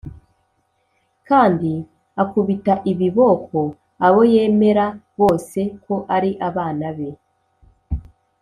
kandi akubita ibiboko abo yemera bose ko ari abana be.